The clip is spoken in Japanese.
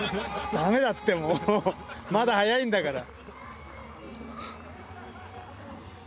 ダメだってもうまだ早いんだから。